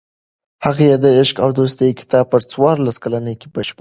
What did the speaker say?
هغې د "عشق او دوستي" کتاب په څوارلس کلنۍ کې بشپړ کړ.